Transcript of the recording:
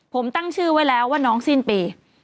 ผมตั้งชื่อไว้แล้วว่าน้องสิ้นปี